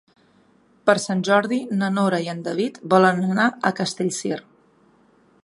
Per Sant Jordi na Nora i en David volen anar a Castellcir.